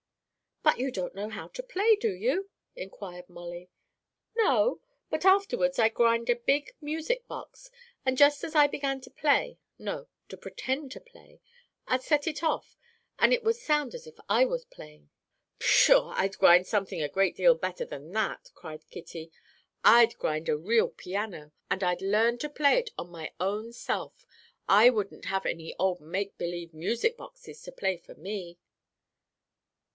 "But you don't know how to play, do you?" inquired Molly. "No, but afterwards I'd grind a big music box, and just as I began to play no, to pretend to play I'd set it off, and it would sound as if I was playing." "Pshaw, I'd grind something a great deal better than that," cried Kitty. "I'd grind a real piano, and I'd learn to play on it my own self. I wouldn't have any old make believe music boxes to play for me."